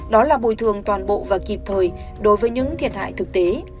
đó là bồi thường toàn bộ và kịp thời đối với những thiệt hại thực tế